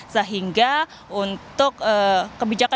sehingga untuk kebijakan